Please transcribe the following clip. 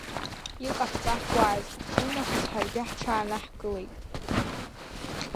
Иҟаҳҵахуаз, уинахыс ҳаргьы ҳҽаанаҳкылеит.